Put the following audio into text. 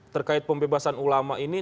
terkait pembebasan ulama ini